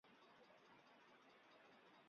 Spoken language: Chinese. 协助口头承租农地之耕作者